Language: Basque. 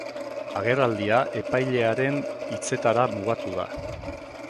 Agerraldia epailearen hitzetara mugatu da.